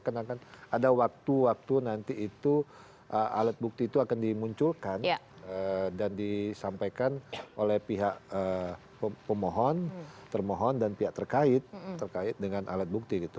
karena kan ada waktu waktu nanti itu alat bukti itu akan dimunculkan dan disampaikan oleh pihak pemohon termohon dan pihak terkait terkait dengan alat bukti gitu